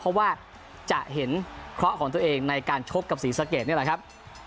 เพราะว่าจะเห็นเคราะห์ของตัวเองในการชกกับศรีสะเกดนี่แหละครับ